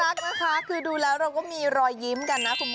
รักนะคะคือดูแล้วเราก็มีรอยยิ้มกันนะคุณผู้ชม